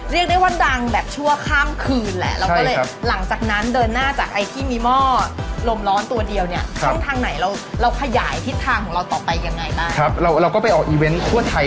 เรียกได้ว่านดังแบบชั่วข้ามคืนแหละแล้วก็เลยหลังจากนั้นเดินหน้าจากไอ้ที่มีหม้อลมร้อนตัวเดียวเนี่ยต้องทางไหนเราขยายทิศทางของเราต่อไปยังไงได้